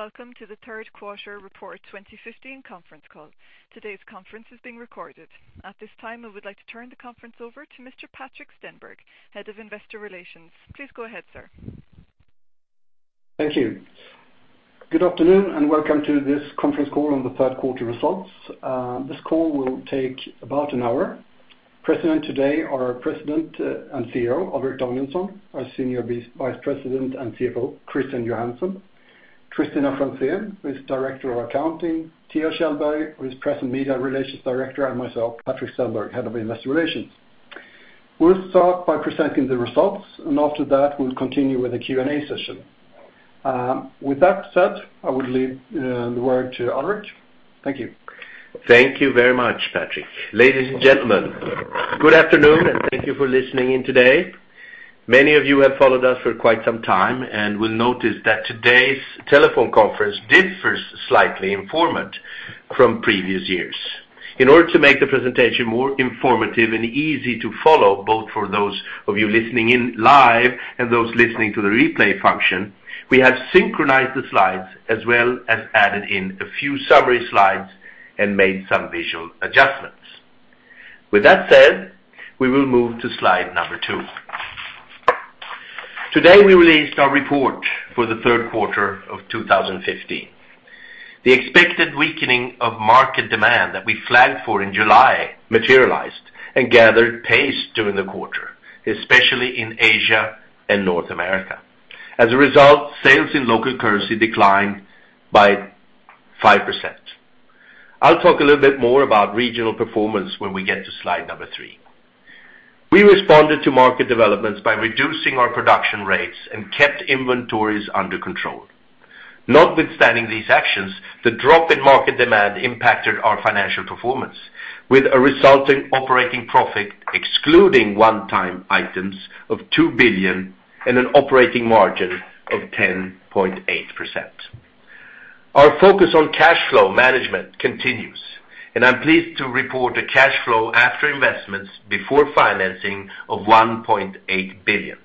Good day, and welcome to the third quarter report 2015 conference call. Today's conference is being recorded. At this time, I would like to turn the conference over to Mr. Patrik Stenberg, Head of Investor Relations. Please go ahead, sir. Thank you. Good afternoon, and welcome to this conference call on the third quarter results. This call will take about an hour. Present today are our President and CEO, Alrik Danielson, our Senior Vice President and CFO, Christian Johansson, Christina Franzén, who is Director of Accounting, Theo Kjellberg, who is Press and Media Relations Director, and myself, Patrik Stenberg, Head of Investor Relations. We'll start by presenting the results, and after that, we'll continue with the Q&A session. With that said, I would leave the word to Alrik. Thank you. Thank you very much, Patrik. Ladies and gentlemen, good afternoon, and thank you for listening in today. Many of you have followed us for quite some time and will notice that today's telephone conference differs slightly in format from previous years. In order to make the presentation more informative and easy to follow, both for those of you listening in live and those listening to the replay function, we have synchronized the slides as well as added in a few summary slides and made some visual adjustments. With that said, we will move to slide number two. Today, we released our report for the third quarter of 2015. The expected weakening of market demand that we flagged for in July materialized and gathered pace during the quarter, especially in Asia and North America. As a result, sales in local currency declined by 5%. I'll talk a little bit more about regional performance when we get to slide number three. We responded to market developments by reducing our production rates and kept inventories under control. Notwithstanding these actions, the drop in market demand impacted our financial performance, with a resulting operating profit, excluding one-time items, of 2 billion and an operating margin of 10.8%. Our focus on cash flow management continues, and I'm pleased to report a cash flow after investments before financing of 1.8 billion.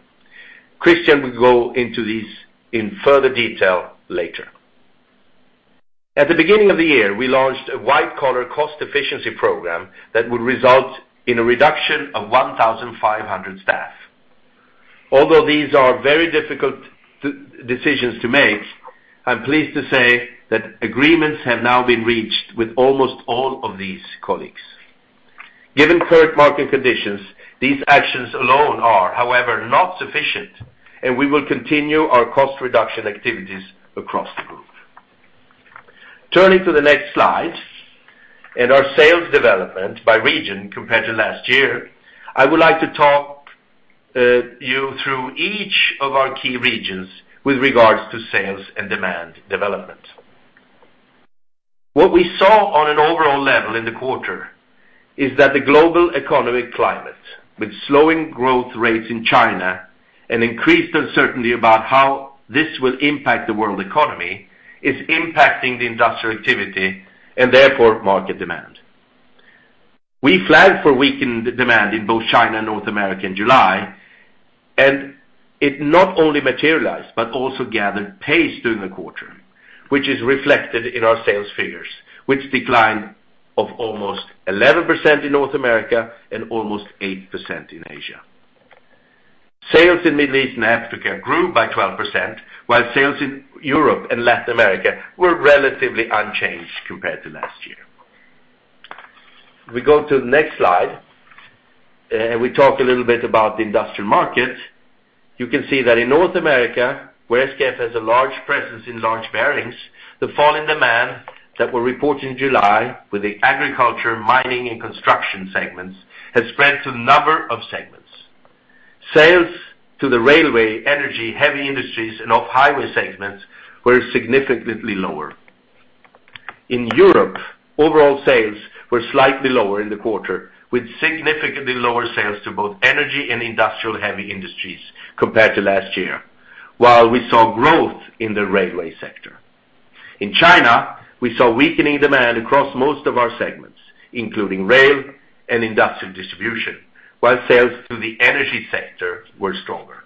Christian will go into this in further detail later. At the beginning of the year, we launched a white-collar cost efficiency program that would result in a reduction of 1,500 staff. Although these are very difficult decisions to make, I'm pleased to say that agreements have now been reached with almost all of these colleagues. Given current market conditions, these actions alone are, however, not sufficient, and we will continue our cost reduction activities across the group. Turning to the next slide, and our sales development by region compared to last year, I would like to talk you through each of our key regions with regards to sales and demand development. What we saw on an overall level in the quarter is that the global economic climate, with slowing growth rates in China and increased uncertainty about how this will impact the world economy, is impacting the industrial activity and therefore market demand. We flagged for weakened demand in both China and North America in July, and it not only materialized, but also gathered pace during the quarter, which is reflected in our sales figures, which declined of almost 11% in North America and almost 8% in Asia. Sales in Middle East and Africa grew by 12%, while sales in Europe and Latin America were relatively unchanged compared to last year. We go to the next slide, and we talk a little bit about the industrial markets. You can see that in North America, where SKF has a large presence in large bearings, the fall in demand that were reported in July with the agriculture, mining, and construction segments, has spread to a number of segments. Sales to the railway, energy, heavy industries, and off-highway segments were significantly lower. In Europe, overall sales were slightly lower in the quarter, with significantly lower sales to both energy and industrial heavy industries compared to last year, while we saw growth in the railway sector. In China, we saw weakening demand across most of our segments, including rail and industrial distribution, while sales to the energy sector were stronger.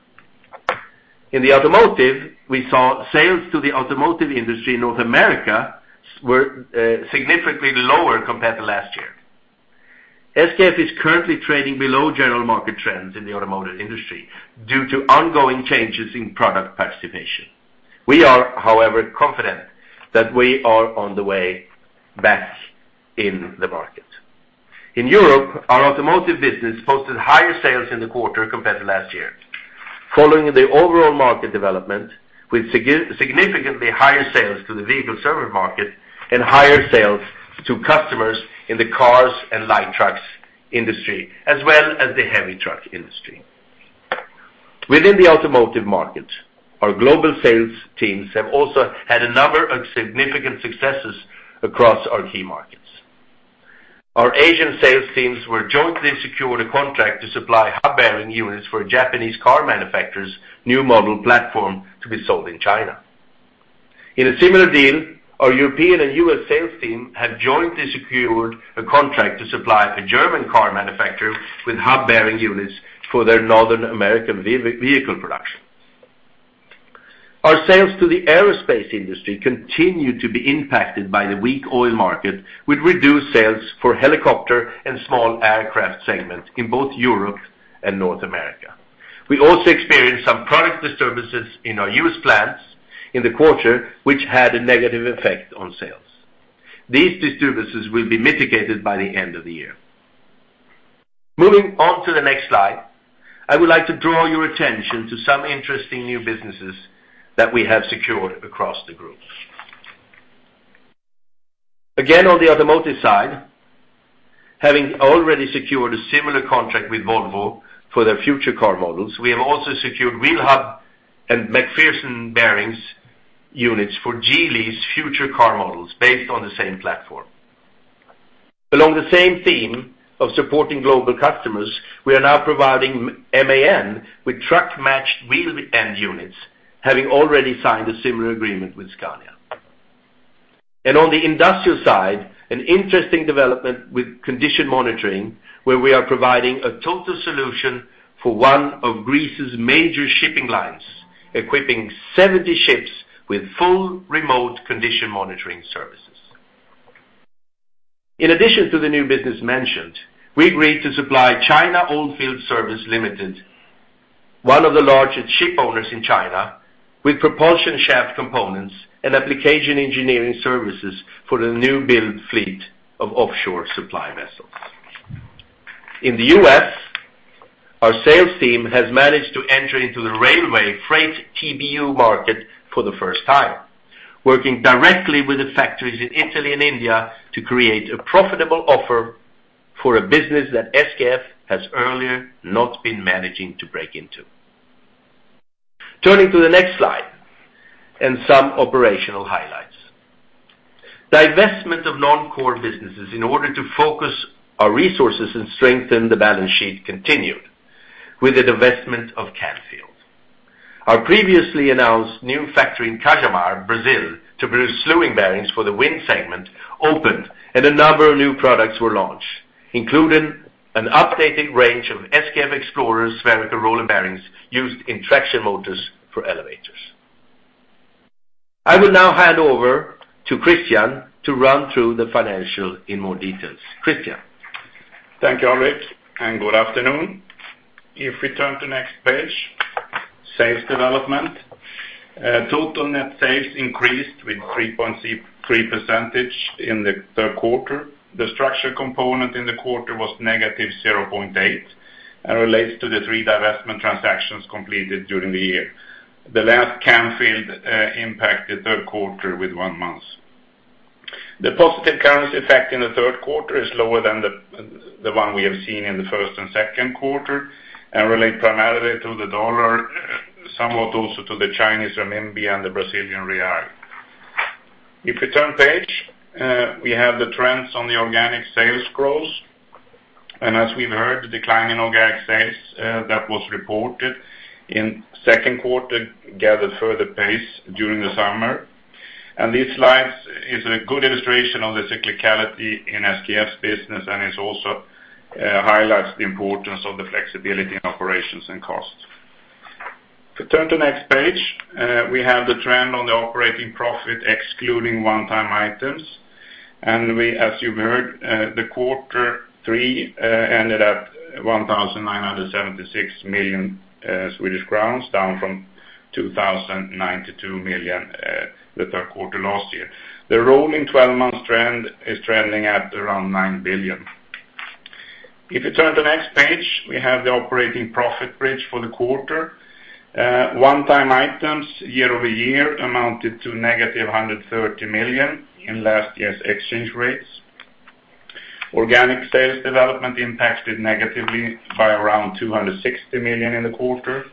In the automotive, we saw sales to the automotive industry in North America were significantly lower compared to last year. SKF is currently trading below general market trends in the automotive industry due to ongoing changes in product participation. We are, however, confident that we are on the way back in the market. In Europe, our automotive business posted higher sales in the quarter compared to last year, following the overall market development, with significantly higher sales to the vehicle service market and higher sales to customers in the cars and light trucks industry, as well as the heavy truck industry. Within the automotive market, our global sales teams have also had a number of significant successes across our key markets. Our Asian sales teams were jointly secured a contract to supply hub bearing unitss for a Japanese car manufacturer's new model platform to be sold in China. In a similar deal... Our European and U.S. sales team have jointly secured a contract to supply a German car manufacturer with hub bearing units for their North American vehicle production. Our sales to the aerospace industry continue to be impacted by the weak oil market, with reduced sales for helicopter and small aircraft segments in both Europe and North America. We also experienced some product disturbances in our U.S. plants in the quarter, which had a negative effect on sales. These disturbances will be mitigated by the end of the year. Moving on to the next slide, I would like to draw your attention to some interesting new businesses that we have secured across the group. Again, on the automotive side, having already secured a similar contract with Volvo for their future car models, we have also secured wheel hub and MacPherson bearing units for Geely's future car models, based on the same platform. Along the same theme of supporting global customers, we are now providing MAN with truck-matched wheel end units, having already signed a similar agreement with Scania. On the industrial side, an interesting development with condition monitoring, where we are providing a total solution for one of Greece's major shipping lines, equipping 70 ships with full remote condition monitoring services. In addition to the new business mentioned, we agreed to supply China Oilfield Services Limited, one of the largest ship owners in China, with propulsion shaft components and application engineering services for the new build fleet of offshore supply vessels. In the U.S., our sales team has managed to enter into the railway freight TBU market for the first time, working directly with the factories in Italy and India to create a profitable offer for a business that SKF has earlier not been managing to break into. Turning to the next slide, and some operational highlights. Divestment of non-core businesses in order to focus our resources and strengthen the balance sheet continued with the divestment of Canfield. Our previously announced new factory in Cajamar, Brazil, to produce slewing bearings for the wind segment, opened, and a number of new products were launched, including an updated range of SKF Explorer spherical roller bearings, used in traction motors for elevators. I will now hand over to Christian to run through the financial in more details. Christian? Thank you, Alrik, and good afternoon. If we turn to next page, sales development. Total net sales increased with 3.3% in the third quarter. The structure component in the quarter was -0.8, and relates to the three divestment transactions completed during the year. The last Canfield impact the third quarter with one month. The positive currency effect in the third quarter is lower than the one we have seen in the first and second quarter, and relate primarily to the dollar, somewhat also to the Chinese renminbi and the Brazilian real. If you turn page, we have the trends on the organic sales growth. As we've heard, the decline in organic sales that was reported in second quarter gathered further pace during the summer. This slide is a good illustration of the cyclicality in SKF's business, and it also highlights the importance of the flexibility in operations and costs. If you turn to next page, we have the trend on the operating profit, excluding one-time items. As you've heard, the quarter three ended at 1,976 million Swedish crowns, down from 2,092 million the third quarter last year. The rolling twelve-month trend is trending at around 9 billion. If you turn to the next page, we have the operating profit bridge for the quarter. One-time items, year-over-year, amounted to -130 million in last year's exchange rates. Organic sales development impacted negatively by around 260 million in the quarter.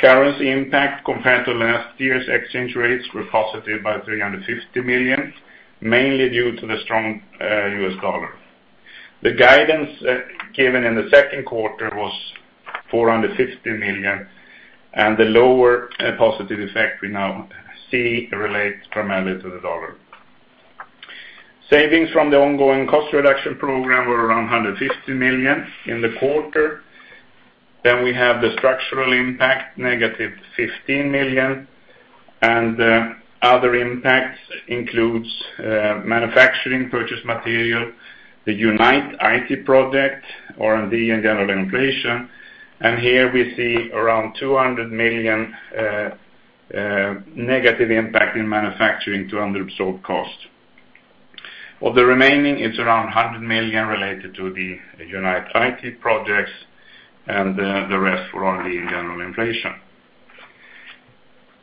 Currency impact compared to last year's exchange rates were positive by 350 million, mainly due to the strong U.S. dollar. The guidance given in the second quarter was 450 million, and the lower positive effect we now see relates primarily to the dollar. Savings from the ongoing cost reduction program were around 150 million in the quarter. Then we have the structural impact, -15 million. Other impacts includes manufacturing, purchase material, the Unite IT project, R&D, and general inflation. And here we see around 200 million negative impact in manufacturing to unabsorbed cost. Of the remaining, it's around 100 million related to the Unite IT projects, and the rest were R&D and general inflation.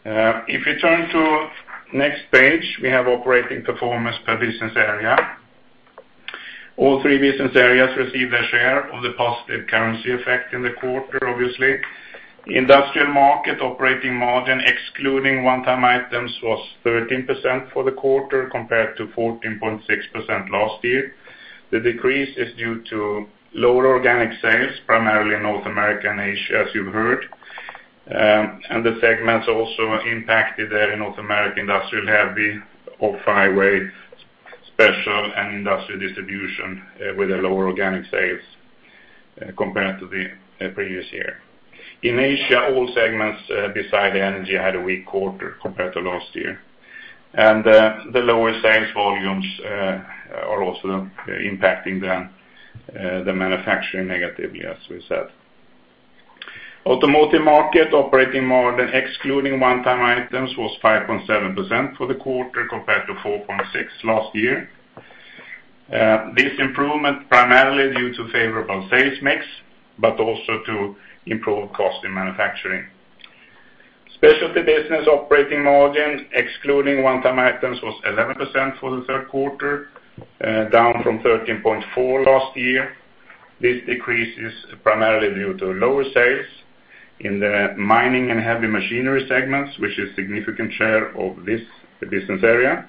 If you turn to next page, we have operating performance per business area. All three business areas received their share of the positive currency effect in the quarter, obviously. Industrial market operating margin, excluding one-time items, was 13% for the quarter, compared to 14.6% last year. The decrease is due to lower organic sales, primarily in North America and Asia, as you've heard... and the segments also impacted there in North America: industrial, heavy, off-highway, special and industrial distribution, with a lower organic sales, compared to the previous year. In Asia, all segments, besides energy, had a weak quarter compared to last year. The lower sales volumes are also impacting the manufacturing negatively, as we said. Automotive market operating margin, excluding one-time items, was 5.7% for the quarter, compared to 4.6% last year. This improvement primarily due to favorable sales mix, but also to improved cost in manufacturing. Specialty Business operating margin, excluding one-time items, was 11% for the third quarter, down from 13.4% last year. This decrease is primarily due to lower sales in the mining and heavy machinery segments, which is significant share of this business area.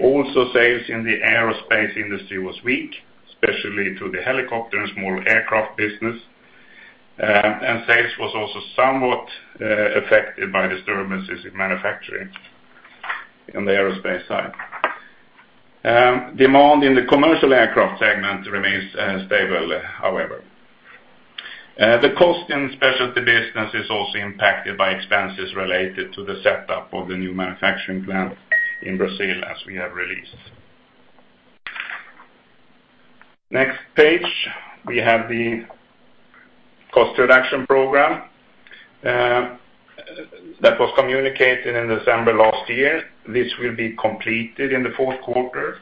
Also, sales in the aerospace industry was weak, especially to the helicopter and small aircraft business. And sales was also somewhat affected by disturbances in manufacturing in the aerospace side. Demand in the commercial aircraft segment remains stable, however. The cost in Specialty Business is also impacted by expenses related to the setup of the new manufacturing plant in Brazil, as we have released. Next page, we have the cost reduction program that was communicated in December last year. This will be completed in the fourth quarter.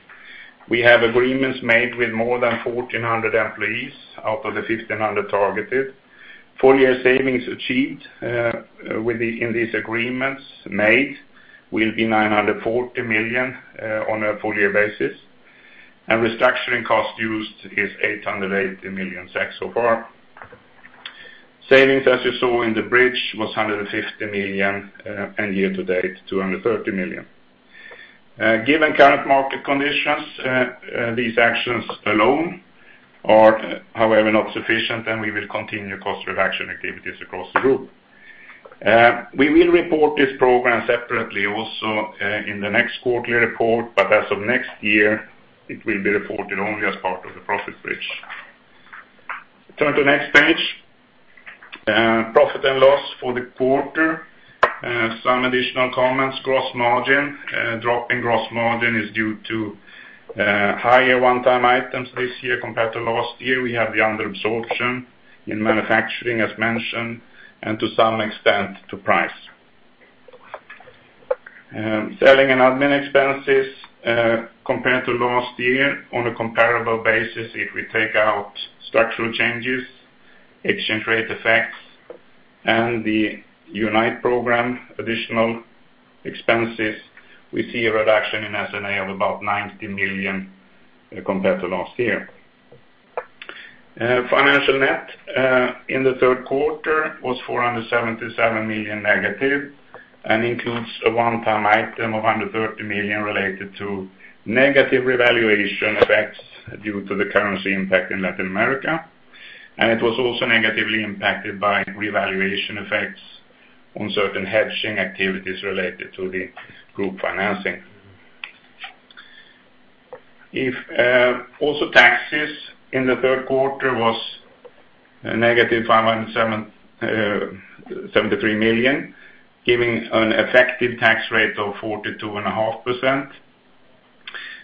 We have agreements made with more than 1,400 employees out of the 1,500 targeted. Full year savings achieved with the in these agreements made will be 940 million on a full year basis, and restructuring cost used is 880 million so far. Savings, as you saw in the bridge, was 150 million, and year to date, 230 million. Given current market conditions, these actions alone are, however, not sufficient, and we will continue cost reduction activities across the group. We will report this program separately also in the next quarterly report, but as of next year, it will be reported only as part of the profit bridge. Turn to next page. Profit and loss for the quarter, some additional comments. Gross margin, drop in gross margin is due to higher one-time items this year compared to last year. We have the under absorption in manufacturing, as mentioned, and to some extent, to price. Selling and admin expenses, compared to last year, on a comparable basis, if we take out structural changes, exchange rate effects, and the Unite program additional expenses, we see a reduction in S&A of about 90 million compared to last year. Financial net in the third quarter was -477 million, and includes a one-time item of under 30 million related to negative revaluation effects due to the currency impact in Latin America. And it was also negatively impacted by revaluation effects on certain hedging activities related to the group financing. If, also, taxes in the third quarter was a -507.73 million, giving an effective tax rate of 42.5%.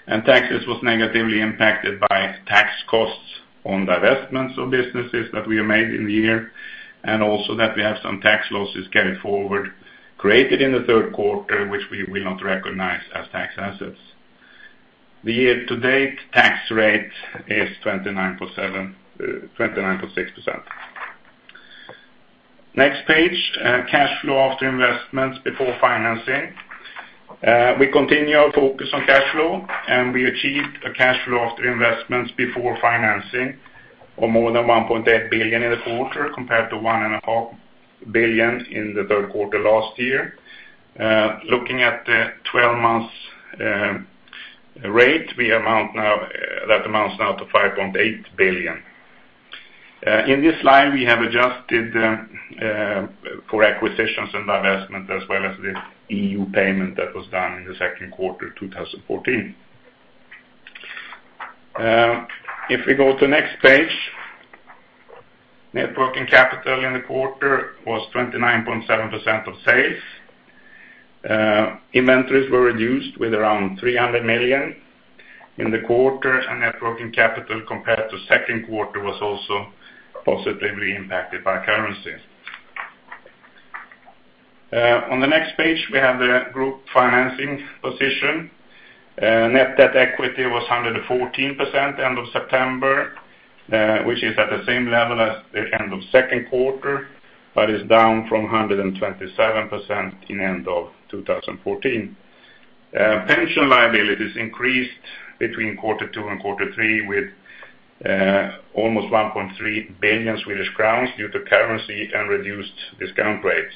And taxes was negatively impacted by tax costs on the divestments of businesses that we have made in the year, and also that we have some tax losses carried forward, created in the third quarter, which we will not recognize as tax assets. The year to date, tax rate is 29.7, twenty-nine point six percent. Next page, cash flow after investments before financing. We continue our focus on cash flow, and we achieved a cash flow after investments before financing of more than 1.8 billion in the quarter, compared to 1.5 billion in the third quarter last year. Looking at the twelve months rate, we amount now, that amounts now to 5.8 billion. In this slide, we have adjusted for acquisitions and divestment, as well as the E.U. payment that was done in the second quarter, 2014. If we go to next page, net working capital in the quarter was 29.7% of sales. Inventories were reduced with around 300 million. In the quarter, net working capital, compared to second quarter, was also positively impacted by currency. On the next page, we have the group financing position. Net debt equity was 114% end of September, which is at the same level as the end of second quarter, but is down from 127% in end of 2014. Pension liabilities increased between quarter two and quarter three, with almost 1.3 billion Swedish crowns due to currency and reduced discount rates.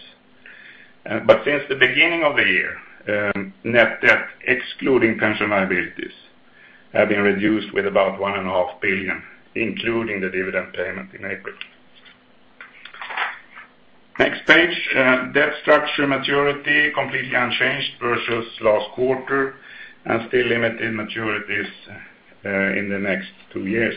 But since the beginning of the year, net debt, excluding pension liabilities, have been reduced with about 1.5 billion, including the dividend payment in April. Next page, debt structure maturity, completely unchanged versus last quarter, and still limited maturities in the next two years.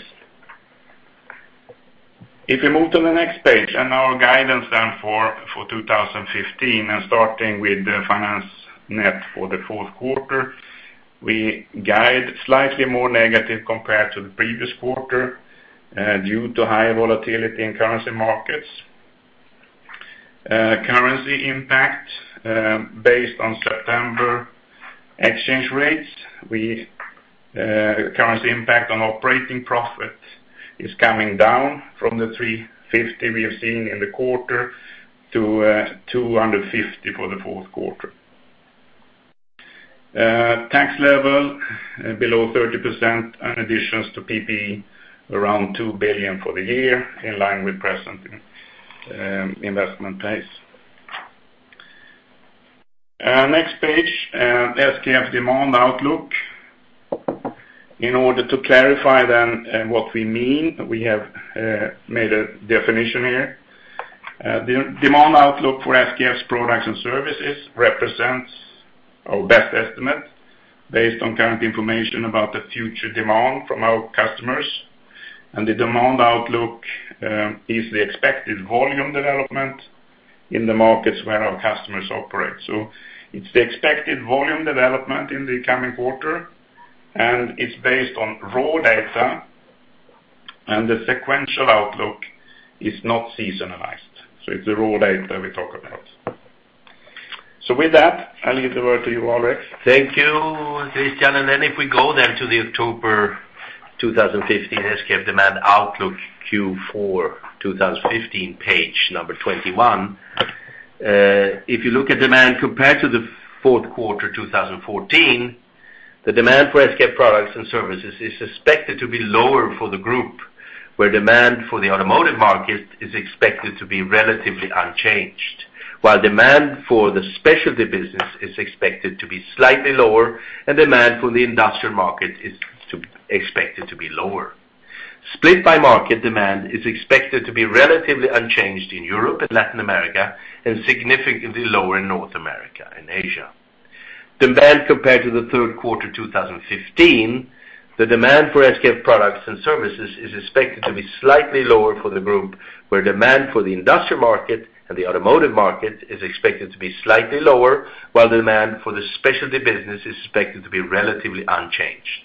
If we move to the next page, and our guidance then for 2015, and starting with the finance net for the fourth quarter, we guide slightly more negative compared to the previous quarter due to higher volatility in currency markets. Currency impact, based on September exchange rates, we, currency impact on operating profit is coming down from the 350 million we are seeing in the quarter to 250 million for the fourth quarter. Tax level below 30%, and additions to PP&E around 2 billion for the year, in line with present investment pace. Next page, SKF demand outlook. In order to clarify then, what we mean, we have made a definition here. The demand outlook for SKF's products and services represents our best estimate, based on current information about the future demand from our customers, and the demand outlook is the expected volume development in the markets where our customers operate. So it's the expected volume development in the coming quarter, and it's based on raw data, and the sequential outlook is not seasonalized. It's the raw data we talk about. With that, I'll leave the word to you, Alrik. Thank you, Christian. And then if we go then to the October 2015 SKF demand outlook, Q4 2015, page number 21. If you look at demand compared to the fourth quarter 2014, the demand for SKF products and services is expected to be lower for the group, where demand for the automotive market is expected to be relatively unchanged, while demand for the Specialty Business is expected to be slightly lower, and demand for the industrial market is expected to be lower. Split by market, demand is expected to be relatively unchanged in Europe and Latin America, and significantly lower in North America and Asia. Demand compared to the third quarter, 2015, the demand for SKF products and services is expected to be slightly lower for the group, where demand for the industrial market and the automotive market is expected to be slightly lower, while demand for the Specialty Business is expected to be relatively unchanged.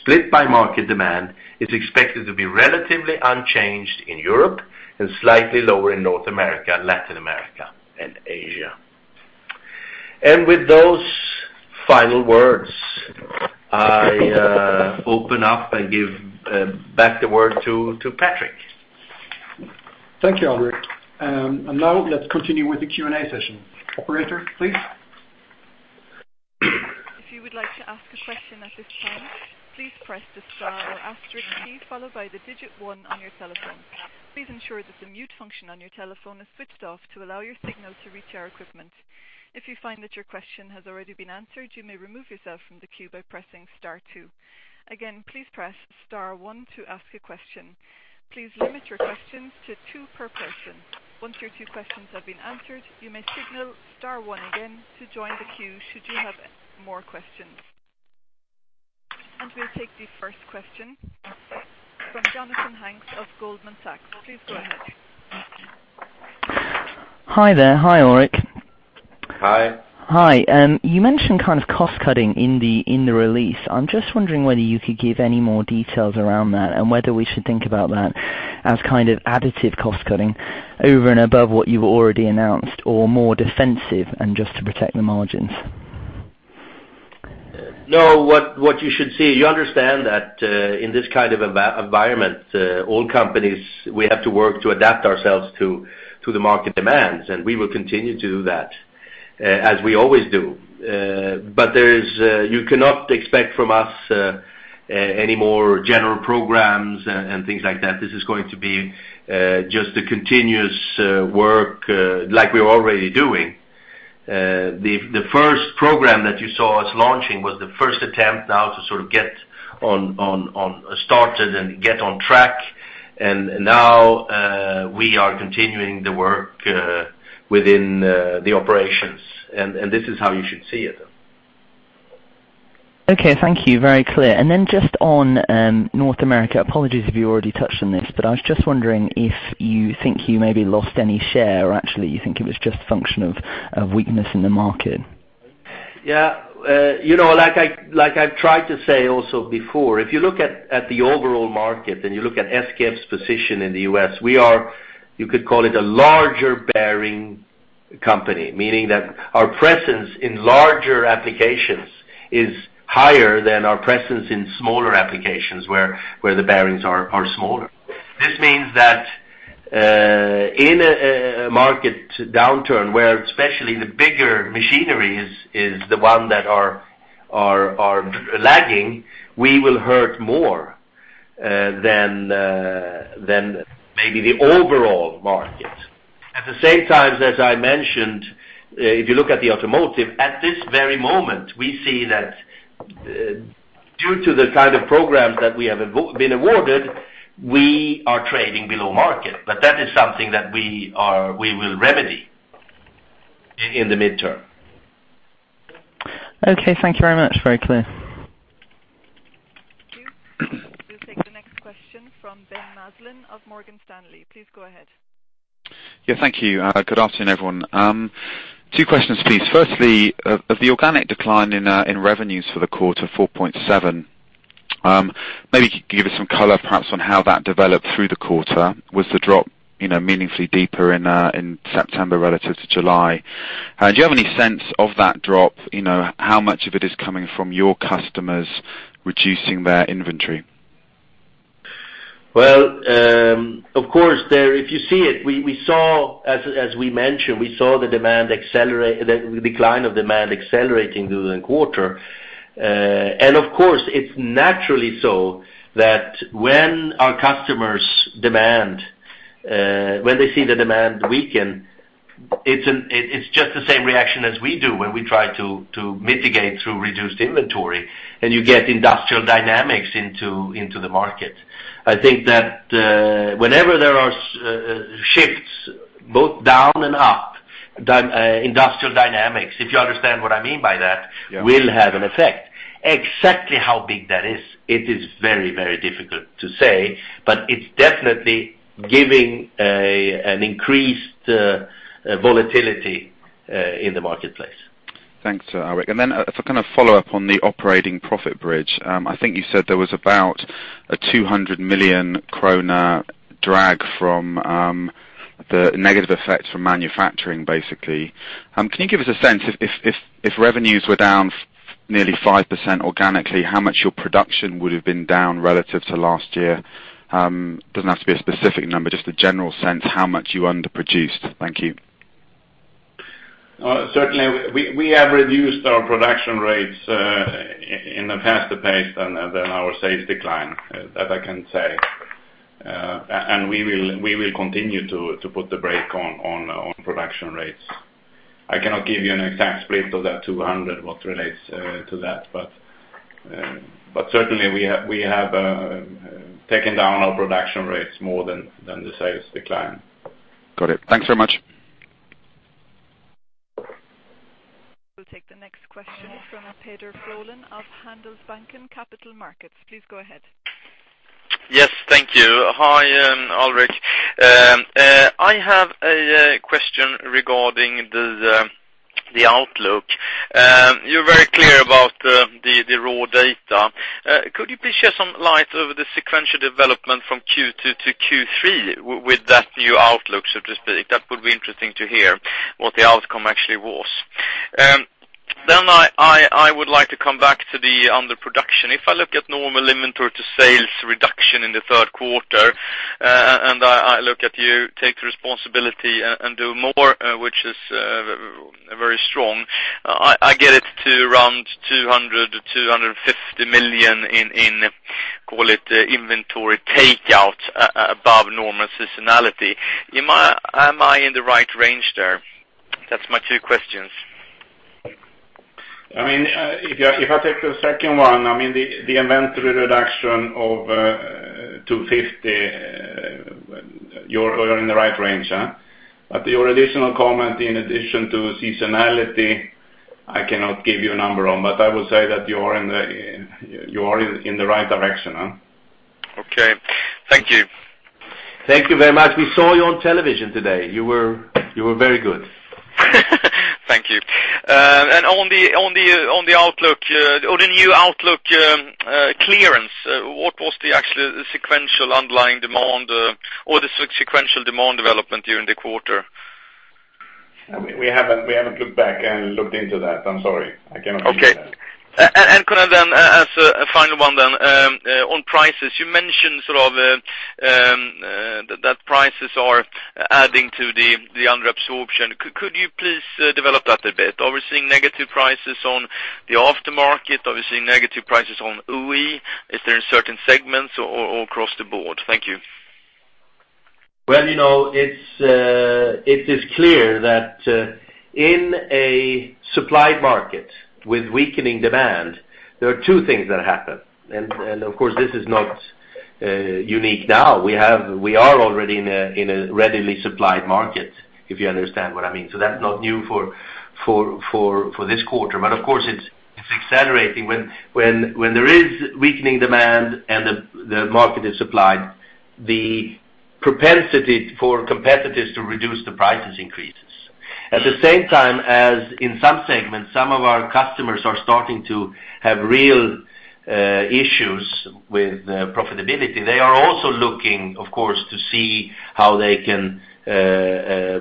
Split by market, demand is expected to be relatively unchanged in Europe, and slightly lower in North America, Latin America, and Asia. With those final words, I open up and give back the word to Patrik. Thank you, Alrik. Now let's continue with the Q&A session. Operator, please. If you would like to ask a question at this time, please press the star or asterisk key, followed by the digit one on your telephone. Please ensure that the mute function on your telephone is switched off to allow your signal to reach our equipment. If you find that your question has already been answered, you may remove yourself from the queue by pressing star two. Again, please press star one to ask a question. Please limit your questions to two per person. Once your two questions have been answered, you may signal star one again to join the queue, should you have more questions. We'll take the first question from Jonathan Hanks of Goldman Sachs. Please go ahead. Hi there. Hi, Alrik. Hi. Hi. You mentioned kind of cost cutting in the, in the release. I'm just wondering whether you could give any more details around that, and whether we should think about that as kind of additive cost cutting over and above what you've already announced, or more defensive and just to protect the margins? No, what you should see, you understand that, in this kind of environment, all companies, we have to work to adapt ourselves to the market demands, and we will continue to do that, as we always do. But there is, you cannot expect from us, any more general programs and things like that. This is going to be just a continuous work, like we're already doing. The first program that you saw us launching was the first attempt now to sort of get started and get on track, and now we are continuing the work within the operations, and this is how you should see it. Okay, thank you. Very clear. And then just on North America, apologies if you already touched on this, but I was just wondering if you think you maybe lost any share, or actually, you think it was just a function of weakness in the market? Yeah, you know, like I've tried to say also before, if you look at the overall market, and you look at SKF's position in the U.S., we are, you could call it a larger bearing company, meaning that our presence in larger applications is higher than our presence in smaller applications, where the bearings are smaller. This means that in a market downturn, where especially the bigger machinery is the one that are lagging, we will hurt more than maybe the overall market. At the same time, as I mentioned, if you look at the automotive, at this very moment, we see that due to the kind of programs that we have been awarded, we are trading below market, but that is something that we will remedy in the midterm. Okay, thank you very much. Very clear. Thank you. We'll take the next question from Ben Mihalik of Morgan Stanley. Please go ahead. Yeah, thank you. Good afternoon, everyone. Two questions, please. Firstly, of the organic decline in revenues for the quarter, 4.7%, maybe give us some color, perhaps on how that developed through the quarter. Was the drop, you know, meaningfully deeper in September relative to July? Do you have any sense of that drop, you know, how much of it is coming from your customers reducing their inventory? Well, of course, there, if you see it, we saw, as we mentioned, we saw the demand accelerate—the decline of demand accelerating during the quarter. And of course, it's naturally so that when our customers demand, when they see the demand weaken, it's just the same reaction as we do when we try to mitigate through reduced inventory, and you get industrial dynamics into the market. I think that whenever there are shifts, both down and up, industrial dynamics, if you understand what I mean by that. Yeah. - will have an effect. Exactly how big that is, it is very, very difficult to say, but it's definitely giving an increased volatility in the marketplace. Thanks, Alrik. And then if I kind of follow up on the operating profit bridge, I think you said there was about a 200 million kronor drag from the negative effects from manufacturing, basically. Can you give us a sense if, if, if revenues were down nearly 5% organically, how much your production would have been down relative to last year? It doesn't have to be a specific number, just a general sense, how much you underproduced. Thank you. Certainly, we have reduced our production rates in the faster pace than our sales decline, as I can say. We will continue to put the brake on production rates. I cannot give you an exact split of that 200, what relates to that, but certainly we have taken down our production rates more than the sales decline. Got it. Thanks so much. We'll take the next question from Peder Frölén of Handelsbanken Capital Markets. Please go ahead. Yes, thank you. Hi, Alrik. I have a question regarding the outlook. You're very clear about the raw data. Could you please share some light over the sequential development from Q2 to Q3 with that new outlook, so to speak? That would be interesting to hear what the outcome actually was. Then I would like to come back to the underproduction. If I look at normal inventory to sales reduction in the third quarter, and I look at you take the responsibility and do more, which is very strong, I get it to around 200 million-250 million, call it inventory take out above normal seasonality. Am I in the right range there? That's my two questions. I mean, if I take the second one, I mean, the inventory reduction of 250, you're in the right range. But your additional comment, in addition to seasonality, I cannot give you a number on, but I will say that you are in the right direction. Okay. Thank you. Thank you very much. We saw you on television today. You were, you were very good. Thank you. And on the outlook, on the new outlook, clearance, what was the actual sequential underlying demand, or the sequential demand development during the quarter? We haven't, we haven't looked back and looked into that. I'm sorry. I cannot give you that. Okay. And could I then, as a final one then, on prices, you mentioned sort of that prices are adding to the under absorption. Could you please develop that a bit? Are we seeing negative prices on the aftermarket? Are we seeing negative prices on OE? Is there in certain segments or across the board? Thank you. Well, you know, it's, it is clear that, in a supply market with weakening demand, there are two things that happen. And of course, this is not unique now. We are already in a readily supplied market, if you understand what I mean. So that's not new for this quarter. But of course, it's accelerating when there is weakening demand and the market is supplied, the propensity for competitors to reduce the prices increases. At the same time as in some segments, some of our customers are starting to have real issues with profitability. They are also looking, of course, to see how they can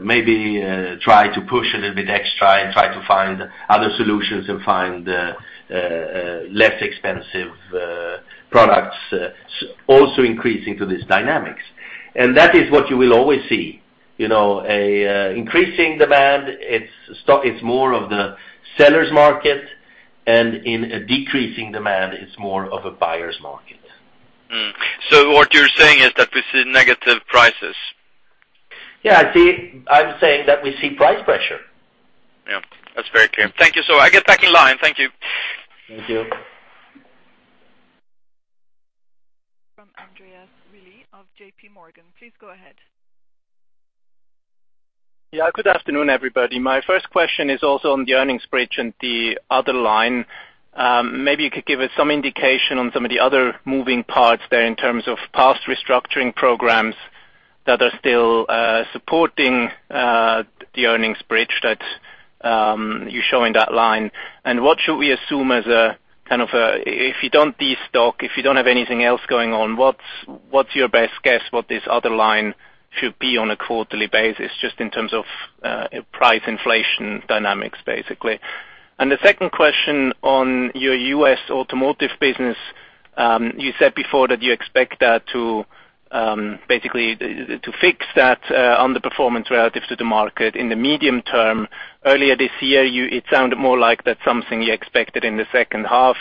maybe try to push a little bit extra and try to find other solutions and find less expensive products, also increasing to these dynamics. That is what you will always see, you know, a increasing demand, it's more of the seller's market... and in a decreasing demand, it's more of a buyer's market. So what you're saying is that we see negative prices? Yeah, I see. I'm saying that we see price pressure. Yeah, that's very clear. Thank you. So I get back in line. Thank you. Thank you. From Andreas Willi of JPMorgan. Please go ahead. Yeah, good afternoon, everybody. My first question is also on the earnings bridge and the other line. Maybe you could give us some indication on some of the other moving parts there in terms of past restructuring programs that are still supporting the earnings bridge that you show in that line. And what should we assume as a kind of a, if you don't destock, if you don't have anything else going on, what's your best guess, what this other line should be on a quarterly basis, just in terms of price inflation dynamics, basically? And the second question on your U.S. automotive business, you said before that you expect that to basically fix that on the performance relative to the market in the medium term. Earlier this year, you, it sounded more like that's something you expected in the second half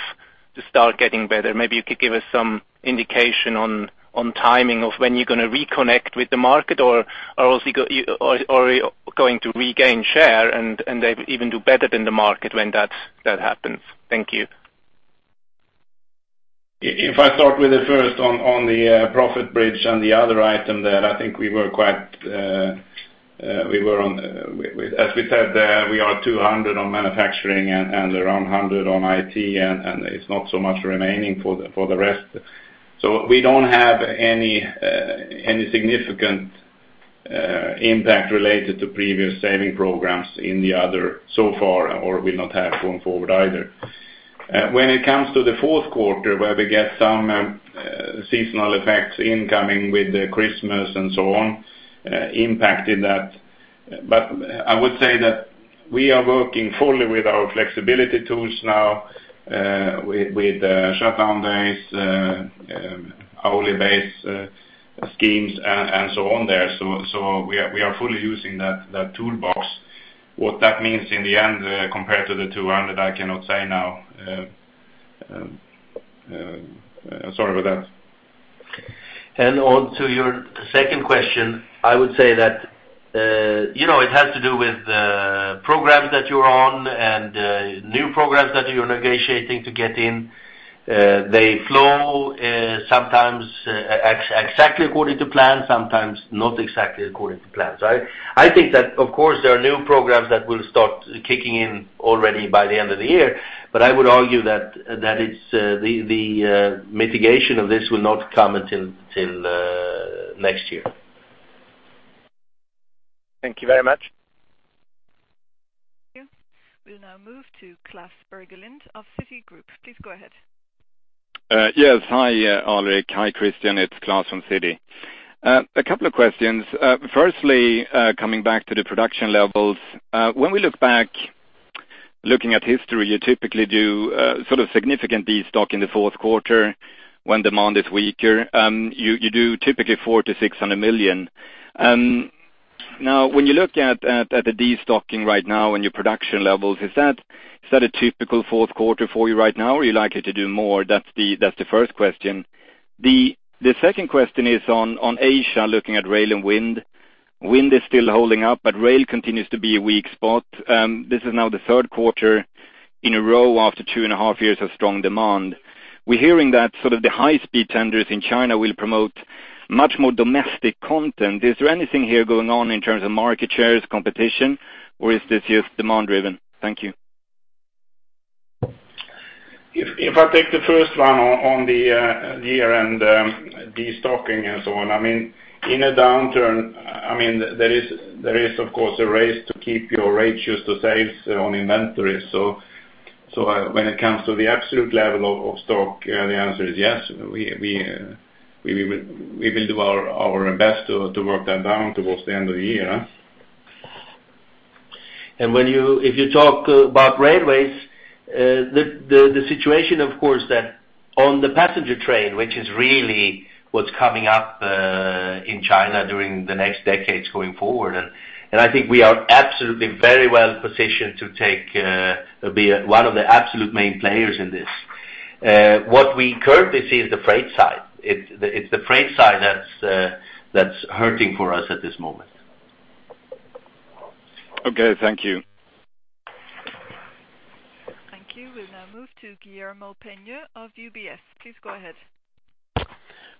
to start getting better. Maybe you could give us some indication on timing of when you're gonna reconnect with the market or are going to regain share, and even do better than the market when that happens. Thank you. If I start with the first one, on the profit bridge and the other item there, I think we were quite, we were on... As we said, we are 200 on manufacturing and around 100 on IT, and it's not so much remaining for the rest. So we don't have any significant impact related to previous saving programs in the other so far, or will not have going forward either. When it comes to the fourth quarter, where we get some seasonal effects incoming with Christmas and so on, impact in that. But I would say that we are working fully with our flexibility tools now, with shutdown days, hourly base schemes, and so on there. So we are fully using that toolbox. What that means in the end, compared to the 200, I cannot say now, sorry about that. And on to your second question, I would say that, you know, it has to do with, programs that you're on and, new programs that you're negotiating to get in. They flow, sometimes exactly according to plan, sometimes not exactly according to plan. So I think that, of course, there are new programs that will start kicking in already by the end of the year, but I would argue that it's, the, the, mitigation of this will not come until, till, next year. Thank you very much. Thank you. We'll now move to Klas Bergelind of Citigroup. Please go ahead. Yes. Hi, Alrik. Hi, Christian, it's Claes from Citi. A couple of questions. Firstly, coming back to the production levels. When we look back, looking at history, you typically do sort of significant destock in the fourth quarter when demand is weaker. You do typically 400 million-600 million. Now, when you look at the destocking right now and your production levels, is that a typical fourth quarter for you right now, or are you likely to do more? That's the first question. The second question is on Asia, looking at rail and wind. Wind is still holding up, but rail continues to be a weak spot. This is now the third quarter in a row after two and a half years of strong demand. We're hearing that sort of the high-speed tenders in China will promote much more domestic content. Is there anything here going on in terms of market shares, competition, or is this just demand-driven? Thank you. If I take the first one on the year-end destocking and so on. I mean, in a downturn, I mean, there is, of course, a race to keep your ratios to sales on inventory. So when it comes to the absolute level of stock, the answer is yes. We will do our best to work that down towards the end of the year. And when you, if you talk about railways, the situation, of course, that on the passenger train, which is really what's coming up, in China during the next decades going forward, and I think we are absolutely very well positioned to take, be one of the absolute main players in this. What we currently see is the freight side. It's the freight side that's hurting for us at this moment. Okay, thank you. Thank you. We'll now move to Guillermo Peigneux of UBS. Please go ahead.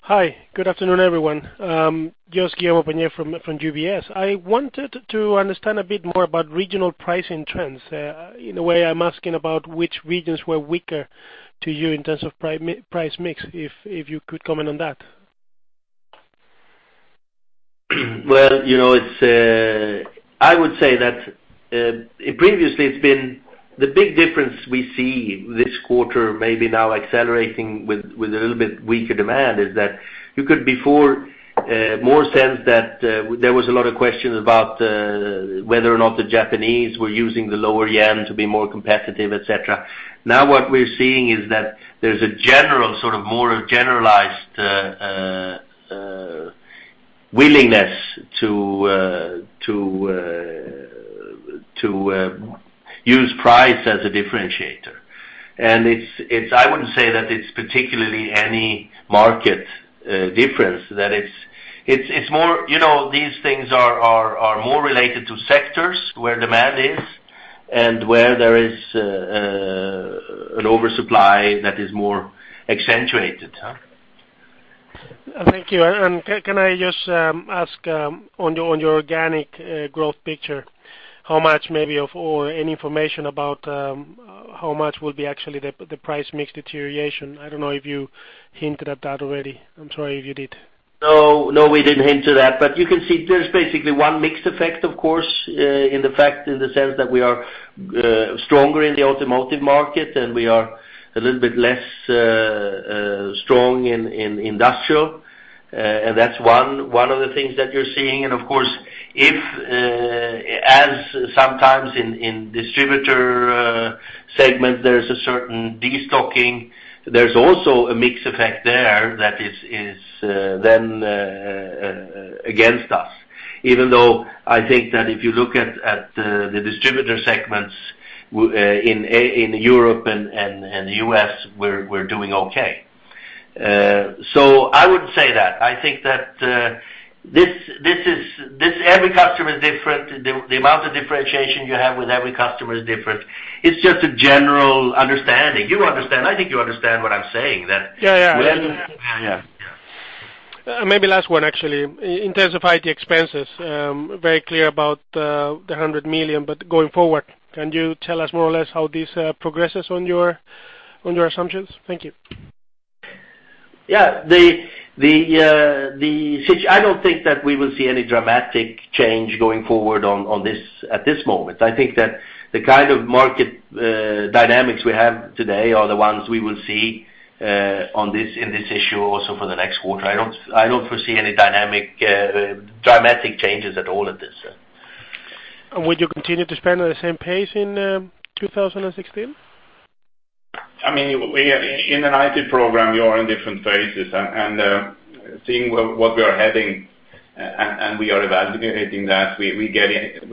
Hi, good afternoon, everyone. Just Guillermo Peigneux from UBS. I wanted to understand a bit more about regional pricing trends. In a way I'm asking about which regions were weaker to you in terms of price mix, if you could comment on that. Well, you know, it's... I would say that, previously it's been—the big difference we see this quarter, maybe now accelerating with a little bit weaker demand, is that you could before more sense that there was a lot of questions about whether or not the Japanese were using the lower yen to be more competitive, et cetera. Now, what we're seeing is that there's a general, sort of, more generalized... willingness to use price as a differentiator. And it's, I wouldn't say that it's particularly any market difference, that it's more, you know, these things are more related to sectors where demand is and where there is an oversupply that is more accentuated, huh? Thank you. Can I just ask on your organic growth picture, how much maybe of or any information about how much will be actually the price mix deterioration? I don't know if you hinted at that already. I'm sorry if you did. No, no, we didn't hint to that. But you can see there's basically one mix effect, of course, in fact, in the sense that we are stronger in the automotive market, and we are a little bit less strong in industrial. And that's one of the things that you're seeing. And of course, as sometimes in distributor segments, there's a certain destocking, there's also a mix effect there that is then against us. Even though I think that if you look at the distributor segments in Europe and the U.S., we're doing okay. So I would say that. I think that this is every customer is different. The amount of differentiation you have with every customer is different. It's just a general understanding. You understand. I think you understand what I'm saying, that- Yeah, yeah. When... Yeah. Maybe last one, actually. In terms of IT expenses, very clear about the 100 million, but going forward, can you tell us more or less how this progresses on your assumptions? Thank you. Yeah. I don't think that we will see any dramatic change going forward on this at this moment. I think that the kind of market dynamics we have today are the ones we will see on this, in this issue also for the next quarter. I don't foresee any dramatic changes at all at this, yeah. Would you continue to spend at the same pace in 2016? I mean, we are in an IT program. We are in different phases, and seeing what we are heading, and we are evaluating that. We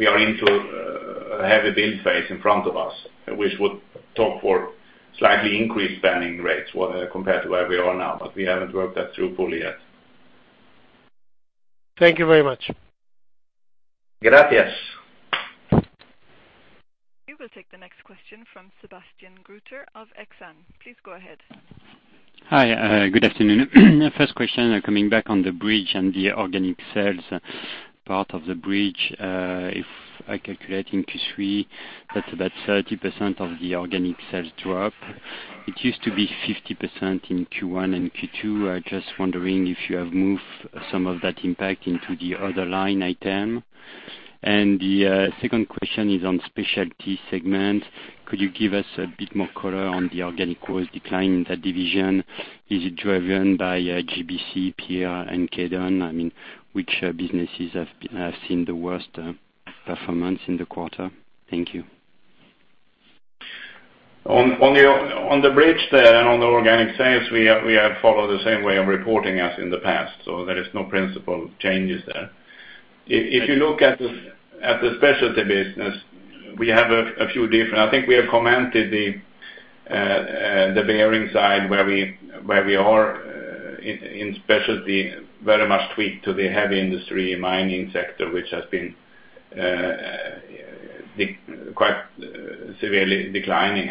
are into a heavy build phase in front of us, which would talk for slightly increased spending rates, well, compared to where we are now, but we haven't worked that through fully yet. Thank you very much. Gracias. We will take the next question from Sébastien Gruter of Exane. Please go ahead. Hi, good afternoon. First question, coming back on the bridge and the organic sales part of the bridge. If I calculate in Q3, that's about 30% of the organic sales drop. It used to be 50% in Q1 and Q2. I just wondering if you have moved some of that impact into the other line item. The second question is on Specialty segment. Could you give us a bit more color on the organic growth decline in that division? Is it driven by GBC, PEER, and Kaydon? I mean, which businesses have, have seen the worst performance in the quarter? Thank you. On the bridge there, and on the organic sales, we have followed the same way of reporting as in the past, so there is no principle changes there. If you look at the Specialty Business, we have a few different... I think we have commented the bearing side, where we are in Specialty, very much tweaked to the heavy industry mining sector, which has been quite severely declining.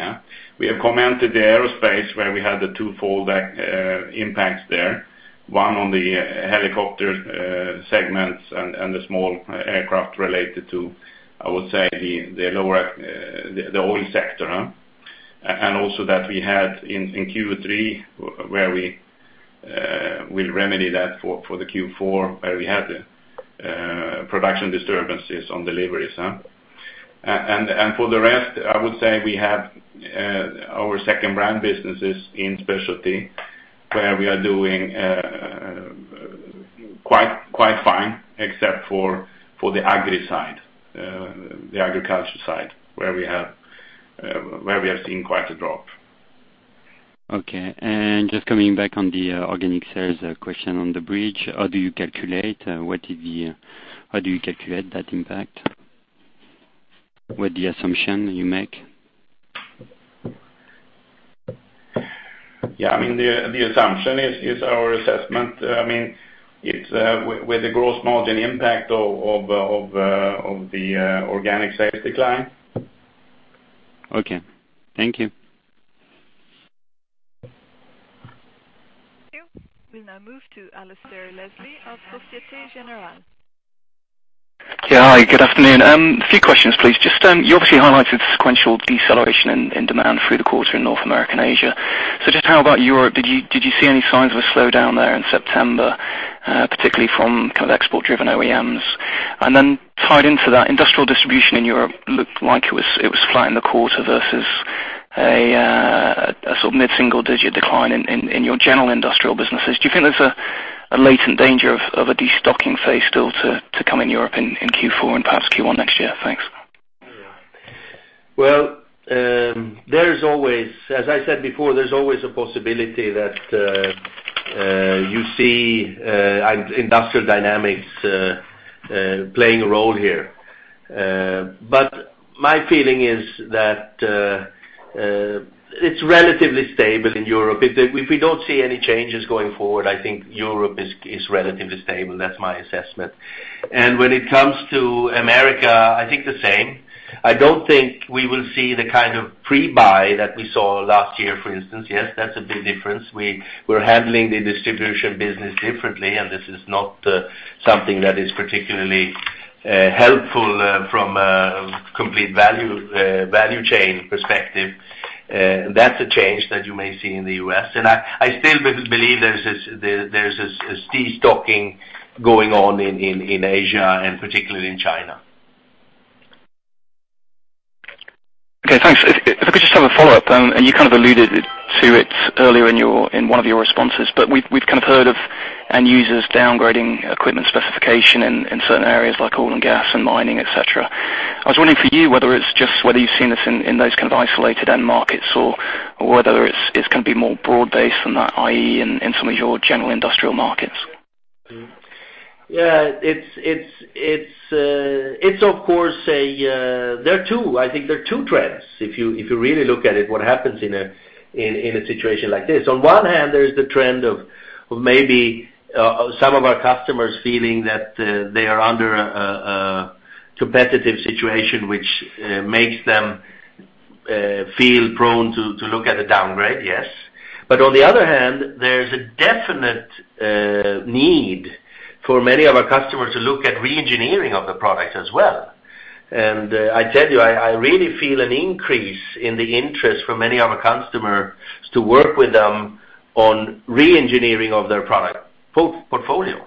We have commented the aerospace, where we had the twofold impact there, one on the helicopter segments and the small aircraft related to, I would say, the lower oil sector. And also, that we had in Q3, we will remedy that for the Q4, where we had production disturbances on deliveries. And for the rest, I would say we have our second-brand businesses in Specialty, where we are doing quite fine, except for the agri side, the agriculture side, where we are seeing quite a drop. Okay. And just coming back on the organic sales question on the bridge, how do you calculate that impact? What assumptions do you make? Yeah, I mean, the assumption is our assessment. I mean, it's with the gross margin impact of the organic sales decline. Okay. Thank you. Thank you. We'll now move to Alasdair Leslie of Société Générale. Yeah, hi, good afternoon. A few questions, please. Just, you obviously highlighted sequential deceleration in demand through the quarter in North America and Asia. So just how about Europe? Did you see any signs of a slowdown there in September, particularly from kind of export-driven OEMs? And then tied into that, industrial distribution in Europe looked like it was flat in the quarter versus a sort of mid-single-digit decline in your general industrial businesses. Do you think there's a latent danger of a destocking phase still to come in Europe in Q4 and perhaps Q1 next year? Thanks. ...Well, there's always, as I said before, there's always a possibility that you see industrial dynamics playing a role here. But my feeling is that it's relatively stable in Europe. If we don't see any changes going forward, I think Europe is relatively stable. That's my assessment. And when it comes to America, I think the same. I don't think we will see the kind of pre-buy that we saw last year, for instance. Yes, that's a big difference. We're handling the distribution business differently, and this is not something that is particularly helpful from a complete value chain perspective. That's a change that you may see in the U.S. I still believe there's this de-stocking going on in Asia, and particularly in China. Okay, thanks. If, if I could just have a follow-up, and you kind of alluded to it earlier in your—in one of your responses, but we've, we've kind of heard of end users downgrading equipment specification in, in certain areas like oil and gas and mining, et cetera. I was wondering for you, whether it's just whether you've seen this in, in those kind of isolated end markets, or, or whether it's, it's gonna be more broad-based than that, i.e., in, in some of your general industrial markets. Yeah, it's of course a... There are two, I think there are two trends. If you really look at it, what happens in a situation like this. On one hand, there is the trend of maybe some of our customers feeling that they are under a competitive situation, which makes them feel prone to look at the downgrade, yes. But on the other hand, there's a definite need for many of our customers to look at reengineering of the product as well. And I tell you, I really feel an increase in the interest for many of our customers to work with them on reengineering of their product portfolio.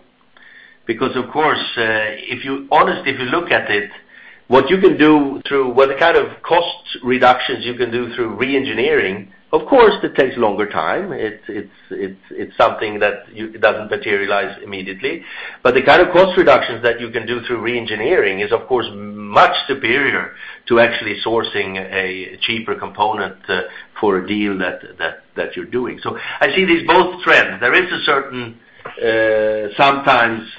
Because, of course, if you honestly look at it, what you can do through... What kind of cost reductions you can do through reengineering, of course, it takes longer time. It's something that you-- it doesn't materialize immediately. But the kind of cost reductions that you can do through reengineering is, of course, much superior to actually sourcing a cheaper component for a deal that you're doing. So I see these both trends. There is a certain sometimes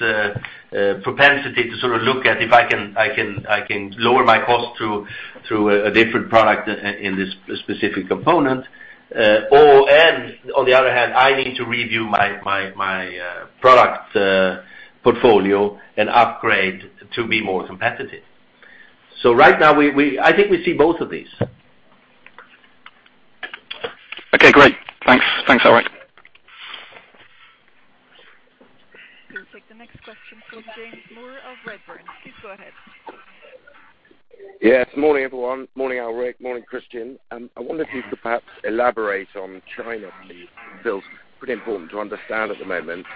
propensity to sort of look at if I can lower my cost through a different product in this specific component or, and on the other hand, I need to review my product portfolio and upgrade to be more competitive. So right now, we-- I think we see both of these. Okay, great. Thanks. Thanks, Alrik. We'll take the next question from James Moore of Redburn. Please go ahead. Yes, morning, everyone. Morning, Alrik. Morning, Christian. I wonder if you could perhaps elaborate on China. Feels pretty important to understand at the moment.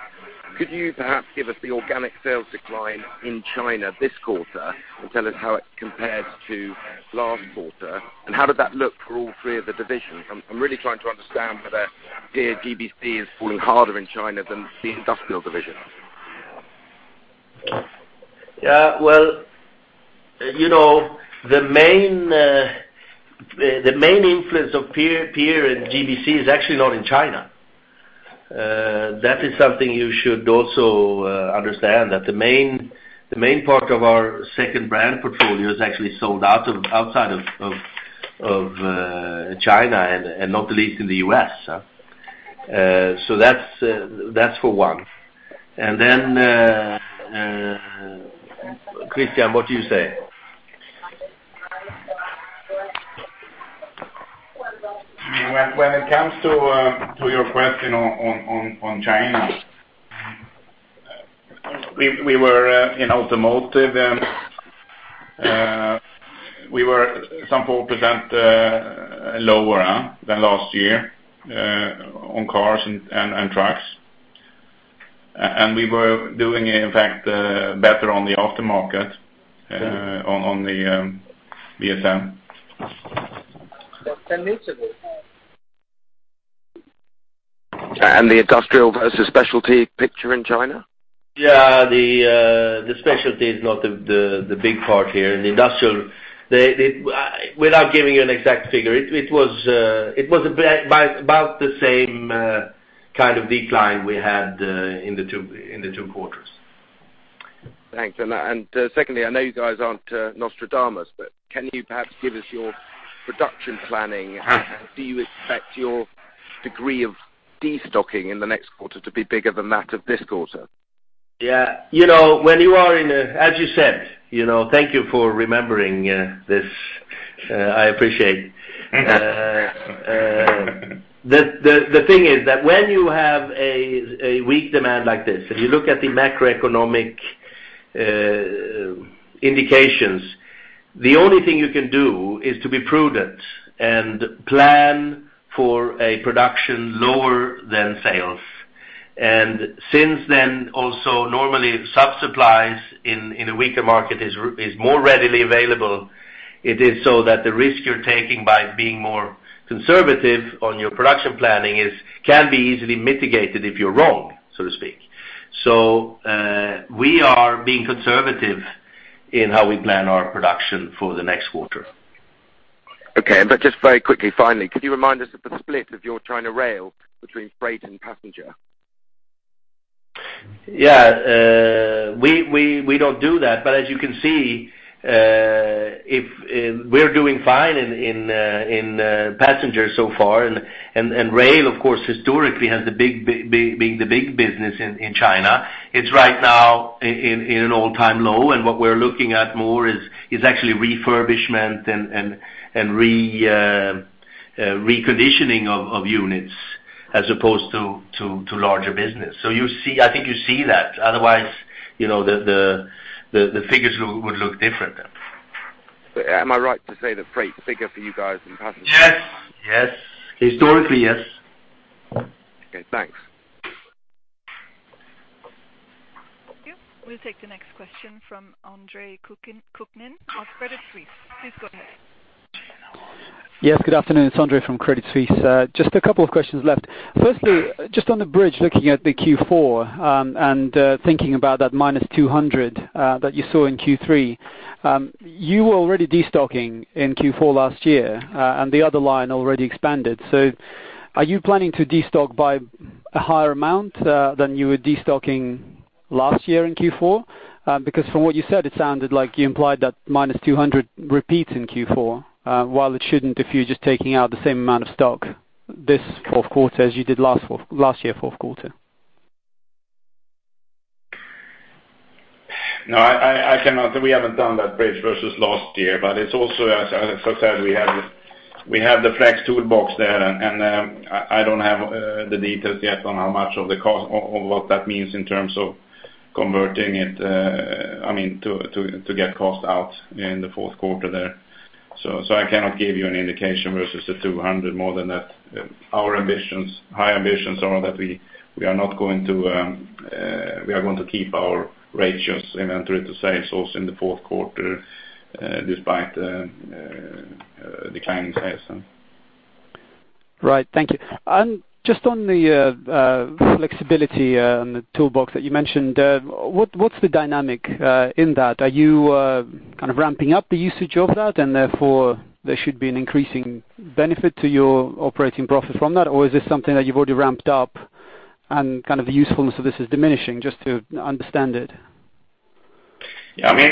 Could you perhaps give us the organic sales decline in China this quarter, and tell us how it compares to last quarter? And how did that look for all three of the divisions? I'm really trying to understand whether Pier GBC is falling harder in China than the industrial division. Yeah, well, you know, the main, the main influence of Pier, Pier and GBC is actually not in China. That is something you should also understand, that the main, the main part of our second brand portfolio is actually sold out of—outside of China and not the least in the U.S., huh? So that's for one. And then, Christian, what do you say? I mean, when it comes to your question on China, we were in automotive some 4% lower than last year on cars and trucks. And we were doing, in fact, better on the aftermarket on the VSM. The industrial versus Specialty picture in China? Yeah, the Specialty is not the big part here. In industrial, without giving you an exact figure, it was a bit about the same kind of decline we had in the two quarters. Thanks. Secondly, I know you guys aren't Nostradamus, but can you perhaps give us your production planning? Do you expect your degree of destocking in the next quarter to be bigger than that of this quarter? Yeah. You know, when you are in a... As you said, you know, thank you for remembering, this, I appreciate. The thing is that when you have a weak demand like this, if you look at the macroeconomic indications, the only thing you can do is to be prudent and plan for a production lower than sales. And since then, also, normally, sub supplies in a weaker market is more readily available. It is so that the risk you're taking by being more conservative on your production planning is can be easily mitigated if you're wrong, so to speak. So, we are being conservative in how we plan our production for the next quarter. Okay. But just very quickly, finally, could you remind us of the split of your China rail between freight and passenger? Yeah, we don't do that. But as you can see, if we're doing fine in passenger so far, and rail, of course, historically has the big being the big business in China. It's right now in an all-time low, and what we're looking at more is actually refurbishment and reconditioning of units as opposed to larger business. So you see, I think you see that. Otherwise, you know, the figures would look different then. Am I right to say that freight is bigger for you guys than passenger? Yes, yes. Historically, yes. Okay, thanks. Thank you. We'll take the next question from Andre Kukhnin of Credit Suisse. Please go ahead. Yes, good afternoon. It's Andre from Credit Suisse. Just a couple of questions left. Firstly, just on the bridge, looking at the Q4, and thinking about that -200 that you saw in Q3, you were already destocking in Q4 last year, and the other line already expanded. So are you planning to destock by a higher amount than you were destocking last year in Q4? Because from what you said, it sounded like you implied that -200 repeats in Q4, while it shouldn't, if you're just taking out the same amount of stock this fourth quarter as you did last year, fourth quarter. No, I cannot, we haven't done that bridge versus last year, but it's also, as I first said, we have the flex toolbox there, and I don't have the details yet on how much of the cost of what that means in terms of converting it, I mean, to get cost out in the fourth quarter there. So I cannot give you an indication versus the 200 more than that. Our ambitions, high ambitions are that we are not going to, we are going to keep our ratios, inventory to sales also in the fourth quarter, despite declining sales. Right. Thank you. And just on the flexibility on the toolbox that you mentioned, what's the dynamic in that? Are you kind of ramping up the usage of that, and therefore, there should be an increasing benefit to your operating profit from that? Or is this something that you've already ramped up and kind of the usefulness of this is diminishing, just to understand it? Yeah, I mean,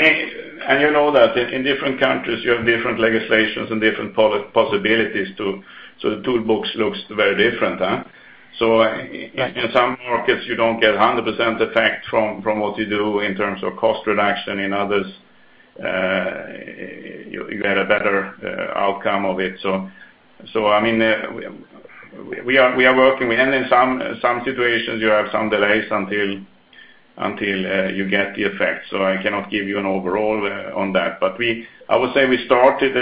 and you know that in different countries, you have different legislations and different possibilities, too. So the toolbox looks very different, huh? So in some markets, you don't get a 100% effect from what you do in terms of cost reduction. In others, you get a better outcome of it. So, I mean, we are working. We have in some situations, you have some delays until you get the effect, so I cannot give you an overall on that. But we—I would say we started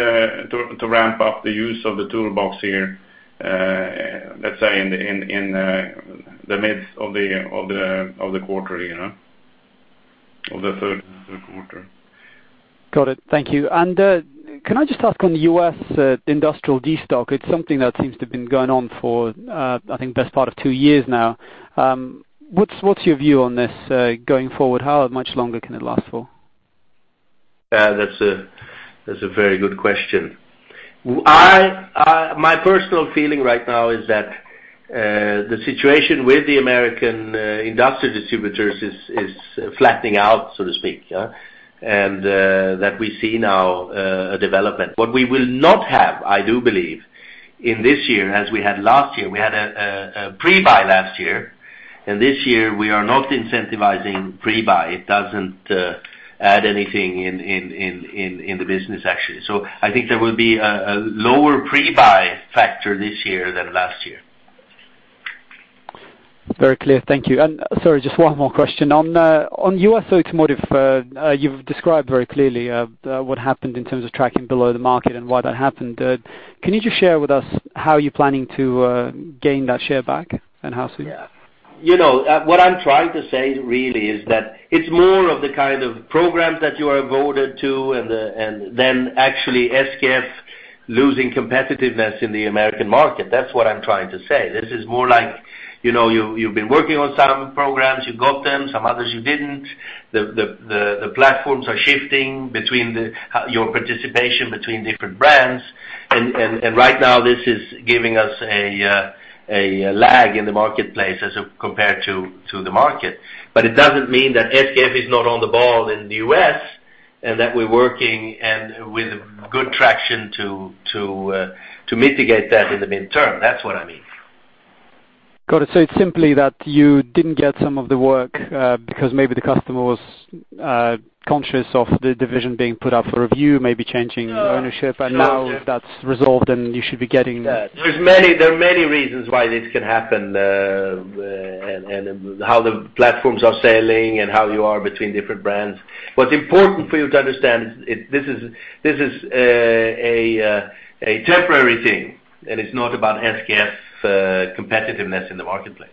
to ramp up the use of the toolbox here, let's say, in the midst of the quarter, you know? Of the third quarter. Got it. Thank you. And, can I just ask on the U.S., industrial destocking? It's something that seems to have been going on for, I think, best part of two years now. What's your view on this going forward? How much longer can it last for? That's a very good question. My personal feeling right now is that the situation with the American industry distributors is flattening out, so to speak, yeah. That we see now a development. What we will not have, I do believe, in this year, as we had last year, we had a pre-buy last year, and this year we are not incentivizing pre-buy. It doesn't add anything in the business, actually. So I think there will be a lower pre-buy factor this year than last year. Very clear. Thank you. And sorry, just one more question. On U.S. Automotive, you've described very clearly what happened in terms of tracking below the market and why that happened. Can you just share with us how you're planning to gain that share back and how soon? Yeah. You know, what I'm trying to say, really, is that it's more of the kind of programs that you are devoted to and then actually SKF losing competitiveness in the American market. That's what I'm trying to say. This is more like, you know, you've been working on some programs, you got them, some others you didn't. The platforms are shifting between the your participation between different brands, and right now, this is giving us a lag in the marketplace as of... compared to the market. But it doesn't mean that SKF is not on the ball in the U.S., and that we're working and with good traction to mitigate that in the midterm. That's what I mean. Got it. So it's simply that you didn't get some of the work, because maybe the customer was conscious of the division being put up for review, maybe changing- No. ownership, and now that's resolved, and you should be getting- There are many reasons why this can happen, and how the platforms are sailing and how you are between different brands. What's important for you to understand is, this is a temporary thing, and it's not about SKF competitiveness in the marketplace.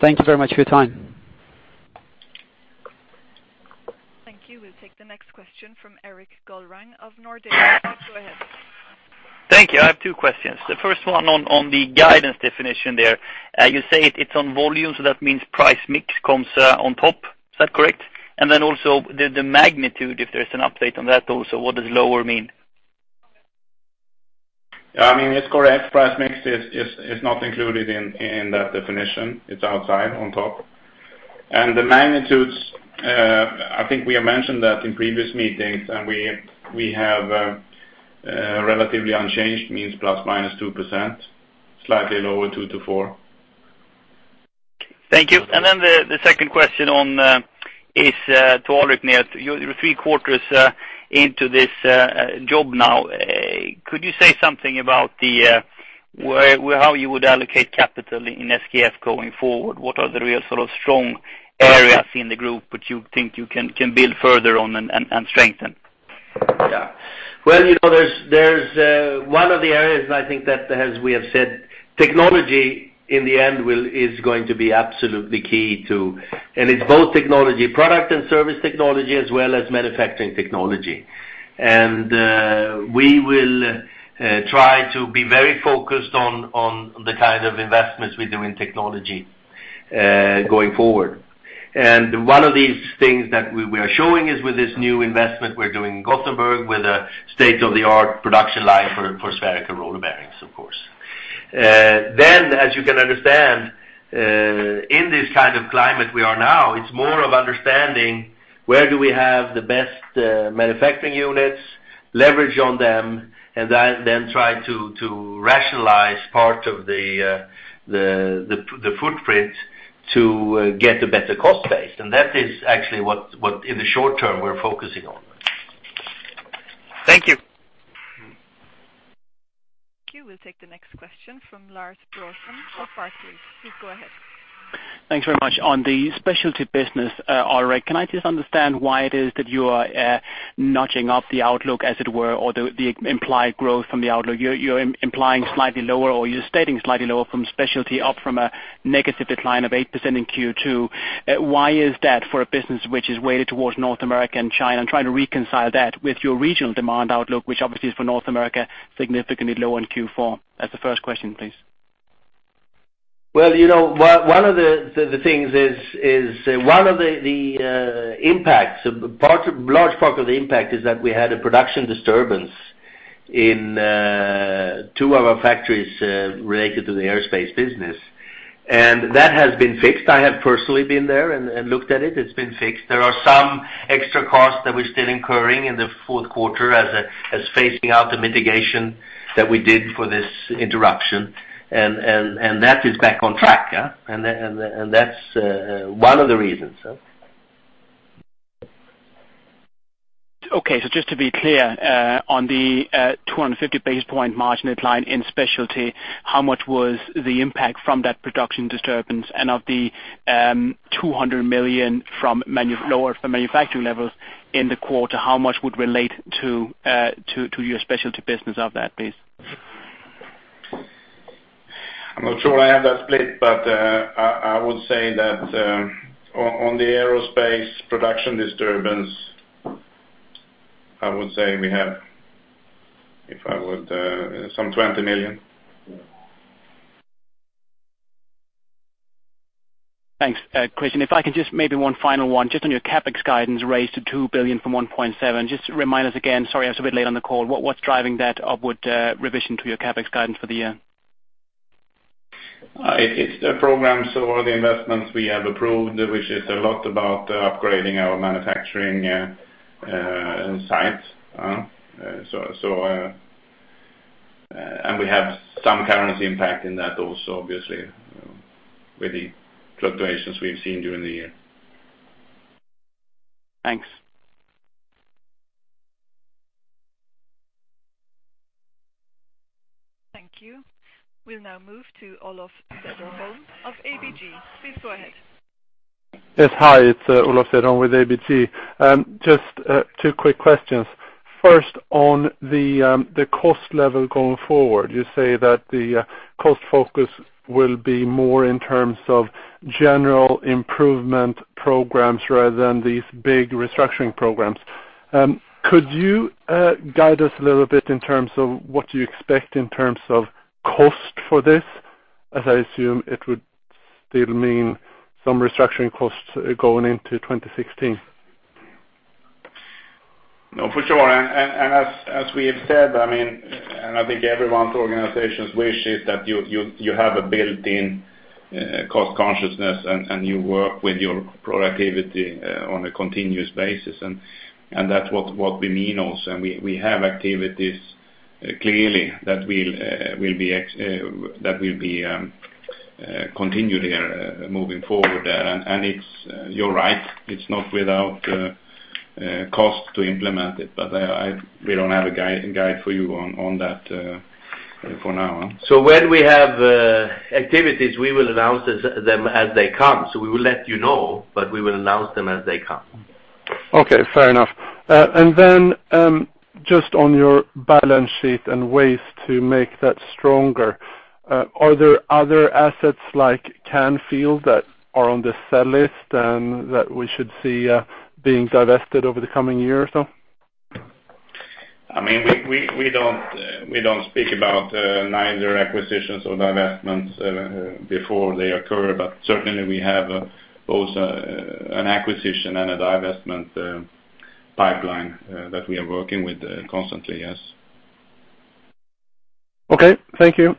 Thank you very much for your time. Thank you. We'll take the next question from Erik Golrang of Nordea. Go ahead. Thank you. I have two questions. The first one on the guidance definition there. You say it's on volume, so that means price mix comes on top. Is that correct? And then also the magnitude, if there's an update on that also, what does lower mean? Yeah, I mean, it's correct. Price mix is not included in that definition. It's outside on top. And the magnitudes, I think we have mentioned that in previous meetings, and we have relatively unchanged, means plus or minus 2%, slightly lower, 2% to 4%. Thank you. And then the second question on is to Alrik now. You're three quarters into this job now. Could you say something about the where... How you would allocate capital in SKF going forward? What are the real sort of strong areas in the group which you think you can build further on and strengthen? Yeah. Well, you know, there's one of the areas I think that, as we have said, technology, in the end, will is going to be absolutely key to... And it's both technology, product and service technology, as well as manufacturing technology. And we will try to be very focused on the kind of investments we do in technology going forward. And one of these things that we are showing is with this new investment we're doing in Gothenburg, with a state-of-the-art production line for spherical roller bearings, of course. Then, as you can understand, in this kind of climate we are now, it's more of understanding where do we have the best manufacturing units, leverage on them, and then try to rationalize part of the footprint to get a better cost base, and that is actually what in the short term, we're focusing on. Thank you. Thank you. We'll take the next question from Lars Brorson of Barclays. Please, go ahead. Thanks very much. On the Specialty Business, Alrik, can I just understand why it is that you are notching up the outlook, as it were, or the implied growth from the outlook? You're, you're implying slightly lower, or you're stating slightly lower from Specialty, up from a negative decline of 8% in Q2. Why is that for a business which is weighted towards North America and China? I'm trying to reconcile that with your regional demand outlook, which obviously is for North America, significantly lower in Q4. That's the first question, please. Well, you know, one of the things is one of the impacts, a large part of the impact is that we had a production disturbance in two of our factories related to the aerospace business, and that has been fixed. I have personally been there and looked at it. It's been fixed. There are some extra costs that we're still incurring in the fourth quarter as phasing out the mitigation that we did for this interruption, and that is back on track, yeah. And that's one of the reasons, so. Okay, so just to be clear, on the 250 basis points margin decline in Specialty, how much was the impact from that production disturbance? And of the 200 million from manufacturing levels in the quarter, how much would relate to your Specialty Business of that, please? I'm not sure I have that split, but I would say that on the aerospace production disturbance, I would say we have, if I would, some 20 million. Thanks, Christian. If I can just maybe one final one, just on your CapEx guidance raised to 2 billion from 1.7 billion. Just remind us again, sorry, I was a bit late on the call. What's driving that upward revision to your CapEx guidance for the year? It's the programs or the investments we have approved, which is a lot about upgrading our manufacturing sites. And we have some currency impact in that also, obviously, with the fluctuations we've seen during the year. Thanks. Thank you. We'll now move to Olof Cederholm of ABG. Please go ahead. Yes, hi, it's Olof Cederholm with ABG. Just two quick questions. First, on the cost level going forward, you say that the cost focus will be more in terms of general improvement programs rather than these big restructuring programs. Could you guide us a little bit in terms of what you expect in terms of cost for this? As I assume, it would still mean some restructuring costs going into 2016. No, for sure. And as we have said, I mean, and I think everyone's organization's wish is that you have a built-in cost consciousness, and you work with your productivity on a continuous basis. And that's what we mean also, and we have activities, clearly, that will be continued moving forward. And it's, you're right, it's not without cost to implement it, but I... We don't have a guide for you on that for now on. So when we have activities, we will announce them as they come. So we will let you know, but we will announce them as they come. Okay, fair enough. And then, just on your balance sheet and ways to make that stronger, are there other assets like Canfield that are on the sell list and that we should see being divested over the coming year or so? I mean, we don't speak about neither acquisitions or divestments before they occur, but certainly, we have both an acquisition and a divestment pipeline that we are working with constantly, yes. Okay, thank you.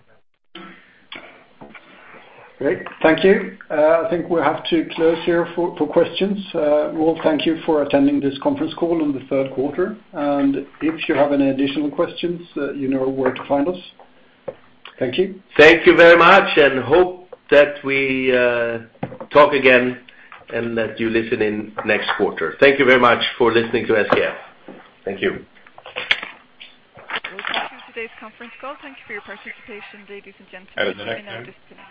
Great, thank you. I think we have to close here for questions. We all thank you for attending this conference call on the third quarter, and if you have any additional questions, you know where to find us. Thank you. Thank you very much, and hope that we talk again and that you listen in next quarter. Thank you very much for listening to SKF. Thank you. We'll conclude today's conference call. Thank you for your participation, ladies and gentlemen. You may now disconnect.